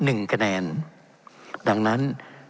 เป็นของสมาชิกสภาพภูมิแทนรัฐรนดร